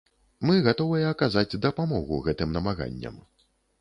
Мы гатовыя аказаць дапамогу гэтым намаганням.